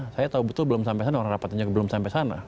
saya tahu betul belum sampai sana orang rapatnya belum sampai sana